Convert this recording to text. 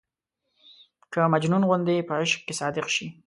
که مجنون غوندې په عشق کې صادق شي.